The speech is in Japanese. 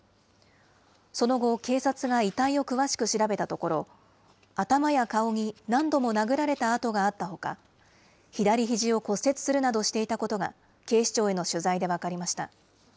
その後、警察が遺体を詳しく調べたところ、頭や顔に何度も殴られた痕があったほか、左ひじを骨折するなどしていたことが、警視庁への取材で分かりました。